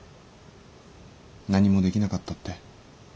何もできなかったって。